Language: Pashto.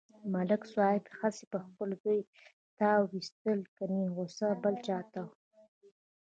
ملک صاحب هسې په خپل زوی تاو و ایستلو کني غوسه بل چاته و.